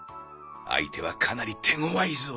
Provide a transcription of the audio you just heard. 相手はかなり手ごわいぞ。